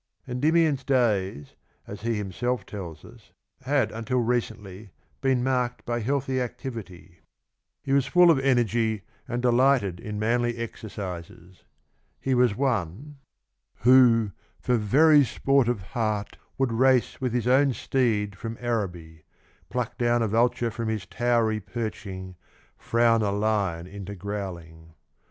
Endymion's days, as he himself tells us, had until recently been marked by healthy activity; he was full of 14 / energy, and delighted in manly exercises ; he was one — Who, for very sport of heart, would race With [his] own steed from Araby ; pluck down A vulture from his towery perching ; frown A lion into growling.